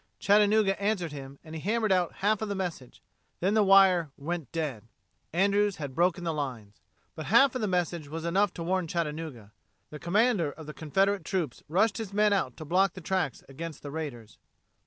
Chattanooga answered him and he hammered out half of the message; then the wire "went dead." Andrews had broken the lines. But half of the message was enough to warn Chattanooga. The Commander of the Confederate troops rushed his men out to block the tracks against the raiders.